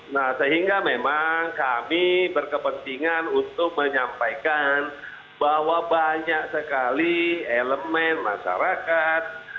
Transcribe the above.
nah sehingga memang kami berkepentingan untuk menyampaikan bahwa banyak sekali elemen masyarakat